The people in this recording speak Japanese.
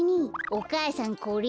お母さんこれ。